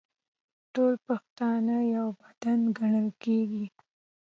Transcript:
ټول پښتانه یو بدن ګڼل کیږي.